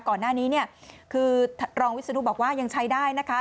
ก่อนหน้านี้เนี่ยคือรองวิศนุบอกว่ายังใช้ได้นะคะ